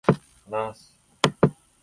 話す、